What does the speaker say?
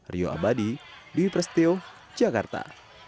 rio abadi dwi prestio jakarta